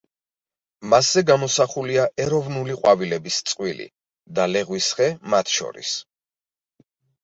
მასზე გამოსახულია ეროვნული ყვავილების წყვილი და ლეღვის ხე მათ შორის.